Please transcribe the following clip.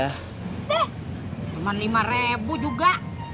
beh cuma rp lima juga